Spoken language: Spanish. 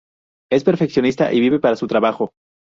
Es perfeccionista y vive para su trabajo.